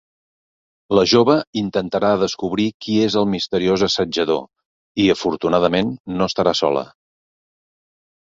La jove intentarà descobrir qui és el misteriós assetjador i, afortunadament, no estarà sola.